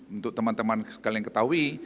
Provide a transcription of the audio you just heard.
untuk teman teman sekalian ketahui